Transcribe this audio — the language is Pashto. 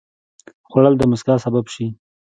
خوړل د مسکا سبب شي